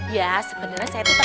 ya sebenernya saya tetep